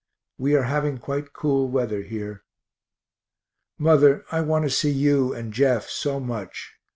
We are having quite cool weather here. Mother, I want to see you and Jeff so much.